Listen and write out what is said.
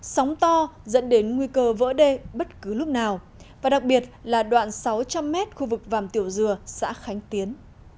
sóng to dẫn đến nguy cơ vỡ đê bất cứ lúc nào và đặc biệt là đoạn sáu trăm linh m khu vực vàm tiểu dừa xã khánh tiến